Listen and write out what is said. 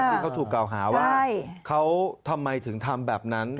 ที่เขาถูกกล่าวหาว่าเขาทำไมถึงทำแบบนั้น